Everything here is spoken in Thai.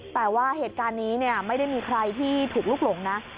แต่ว่าเหตุการณ์นี้ไม่ได้มีใครที่ถูกลุกหลงนะ